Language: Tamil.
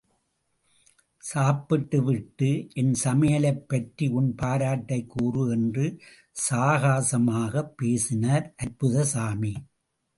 சாப்பிட்டுவிட்டு என் சமையலைப் பற்றி உன் பாராட்டைக் கூறு என்று சாகசமாகப் பேசினார் அற்புதசாமி!